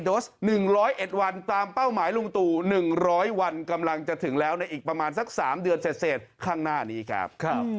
โดส๑๐๑วันตามเป้าหมายลุงตู่๑๐๐วันกำลังจะถึงแล้วในอีกประมาณสัก๓เดือนเสร็จข้างหน้านี้ครับ